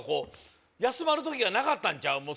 休まる時がなかったんちゃう？